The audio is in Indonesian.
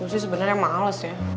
gue sih sebenernya males ya